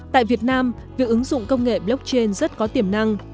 trong năm việc ứng dụng công nghệ blockchain rất có tiềm năng